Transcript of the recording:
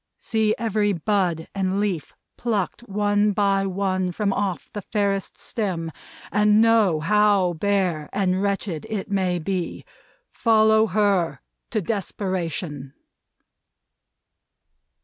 See every bud and leaf plucked one by one from off the fairest stem, and know how bare and wretched it may be. Follow her! To desperation!"